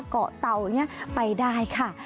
เตาอย่างนี้ไปได้ค่ะ